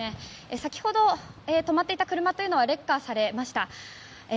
先ほど止まっていた車というのはレッカーされました。